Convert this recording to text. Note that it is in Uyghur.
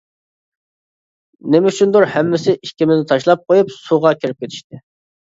نېمە ئۈچۈندۇر ھەممىسى ئىككىمىزنى تاشلاپ قويۇپ سۇغا كىرىپ كېتىشتى.